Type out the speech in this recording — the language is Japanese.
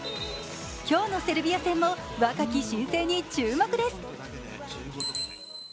今日のセルビア戦も若き新星に注目です。